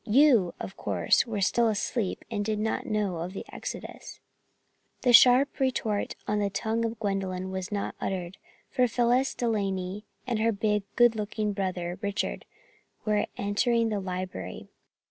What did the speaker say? You, of course, were still asleep and did not know of the exodus." The sharp retort on the tongue of Gwendolyn was not uttered, for Phyllis De Laney and her big, good looking brother, Richard, were entering the library.